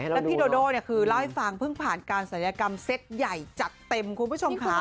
แล้วพี่โดโด่คือเล่าให้ฟังเพิ่งผ่านการศัลยกรรมเซตใหญ่จัดเต็มคุณผู้ชมค่ะ